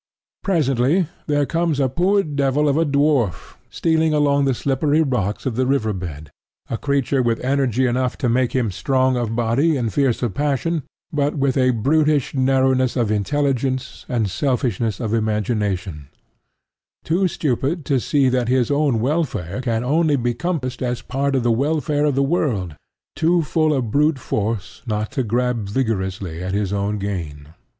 Presently there comes a poor devil of a dwarf stealing along the slippery rocks of the river bed, a creature with energy enough to make him strong of body and fierce of passion, but with a brutish narrowness of intelligence and selfishness of imagination: too stupid to see that his own welfare can only be compassed as part of the welfare of the world, too full of brute force not to grab vigorously at his own gain.